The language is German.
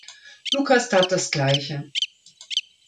Lucas tat das Gleiche.